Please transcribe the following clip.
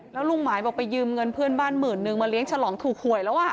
แล้วลุงหมายบอกไปยืมเงินเพื่อนบ้านหมื่นนึงมาเลี้ยงฉลองถูกหวยแล้ว